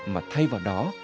mà thay vào đó